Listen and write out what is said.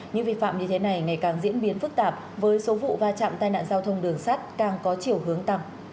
những vi phạm như thế này ngày càng diễn biến phức tạp với số vụ va chạm tai nạn giao thông đường sắt càng có chiều hướng tăng